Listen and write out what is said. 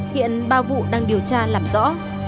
hiện ba vụ đang điều tra làm rõ